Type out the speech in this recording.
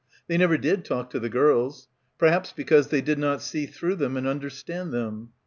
They never did talk to the girls. Perhaps because they did not see through them and understand them.